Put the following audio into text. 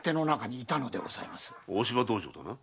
大柴道場だな？